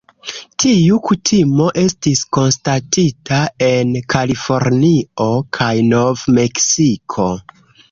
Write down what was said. Tiu kutimo estis konstatita en Kalifornio kaj Nov-Meksiko.